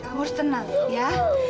kamu harus tenang ya